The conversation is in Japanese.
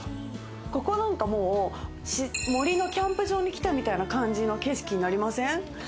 ここなんか、森のキャンプ場に来たみたいな感じの景色になりません？